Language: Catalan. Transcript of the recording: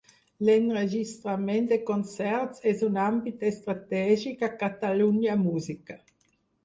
L'enregistrament de concerts és un àmbit estratègic a Catalunya Música.